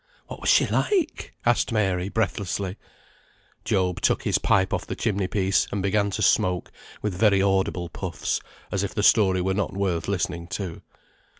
"What was she like?" asked Mary, breathlessly. Job took his pipe off the chimney piece and began to smoke with very audible puffs, as if the story were not worth listening to.